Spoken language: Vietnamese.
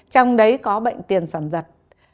trong đấy có bệnh tiền sản dật